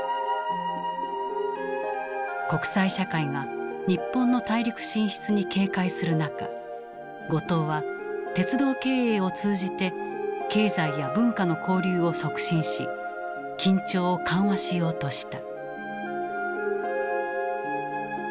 国際社会が日本の大陸進出に警戒する中後藤は鉄道経営を通じて経済や文化の交流を促進し緊張を緩和しようとした。